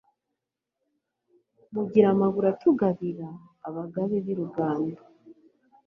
Mugira amaguru atugabira, Abagabe b'i Ruganda